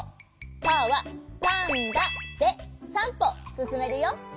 パーはパンダで３ぽすすめるよ！